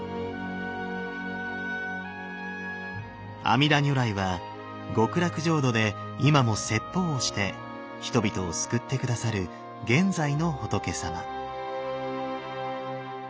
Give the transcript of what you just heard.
阿弥陀如来は極楽浄土で今も説法をして人々を救って下さる現在の仏様。